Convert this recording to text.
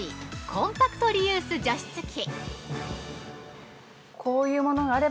コンパクトリユース除湿器。